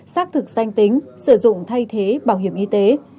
xác thực danh tính sử dụng thay thế bảo hiểm y tế